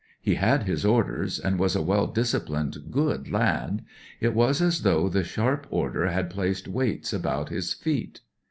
He had his orders, and was a well disciplined, good lad. It was as though the sharp order had placed weights about his feet.